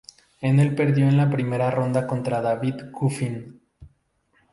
En el perdió en la primera ronda contra David Goffin.